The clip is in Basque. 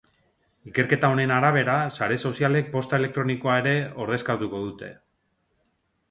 Ikerketa honen arabera, sare sozialek posta elektronikoa ere ordezkatuko dute.